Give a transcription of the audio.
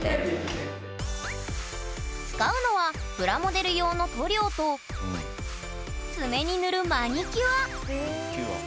使うのはプラモデル用の塗料と爪に塗るマニキュア。